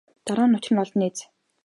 Дараа нь учир нь олдоно биз.